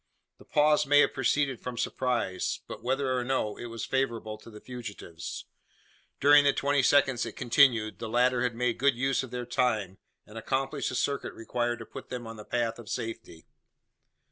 The pause may have proceeded from surprise; but, whether or no, it was favourable to the fugitives. During the twenty seconds it continued, the latter had made good use of their time, and accomplished the circuit required to put them on the path of safety.